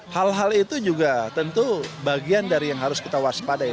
hal hal itu juga tentu bagian dari yang harus kita waspadai